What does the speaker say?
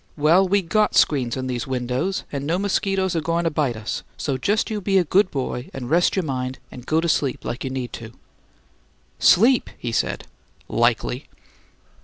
Well, we got screens in these windows, and no mosquitoes are goin' to bite us; so just you be a good boy and rest your mind and go to sleep like you need to." "Sleep?" he said. "Likely!"